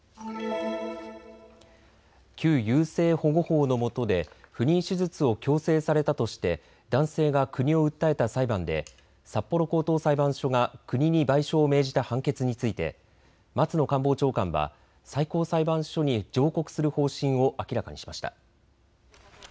旧優生保護法のもとで不妊手術を強制されたとして男性が国を訴えた裁判で札幌高等裁判所が国に賠償を命じた判決について松野官房長官は最高裁判所に上告する方針を明らかにしました。